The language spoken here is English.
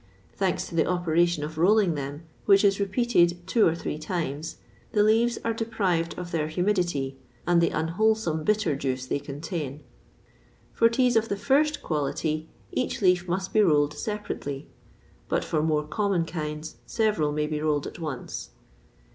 Thanks to the operation of rolling them, which is repeated two or three times, the leaves are deprived of their humidity, and the unwholesome bitter juice they contain. For teas of the first quality, each leaf must be rolled separately; but for more common kinds, several may be rolled at once.